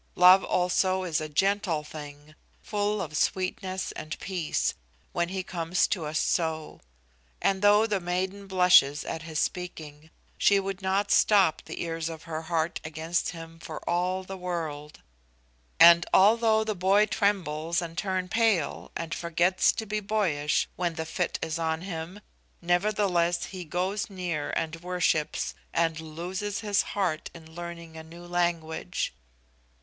Love also is a gentle thing, full of sweetness and peace, when he comes to us so; and though the maiden blushes at his speaking, she would not stop the ears of her heart against him for all the world; and although the boy trembles and turn pale, and forgets to be boyish when, the fit is on him, nevertheless he goes near and worships, and loses his heart in learning a new language.